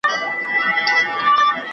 څېړنه د کوم ترتیب اړتیا لري؟